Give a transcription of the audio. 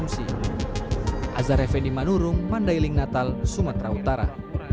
sebelum dimasak dan dikonsumsi